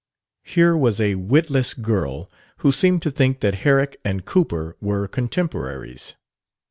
Here was a witless girl who seemed to think that Herrick and Cowper were contemporaries.